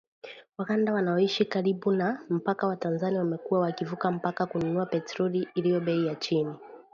Waganda wanaoishi karibu na mpaka wa Tanzania wamekuwa wakivuka mpaka kununua petroli iliyo bei ya chini